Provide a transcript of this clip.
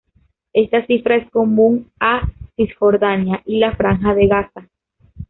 Esta cifra es común a Cisjordania y la Franja de Gaza.